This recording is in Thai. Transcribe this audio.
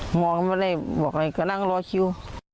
หมอก็ไม่ได้บอกอะไรก็นั่งรอคิว